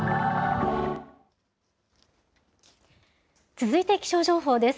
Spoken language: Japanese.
続いて気象情報です。